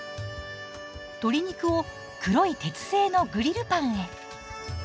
鶏肉を黒い鉄製のグリルパンへ。